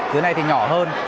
dưới này thì nhỏ hơn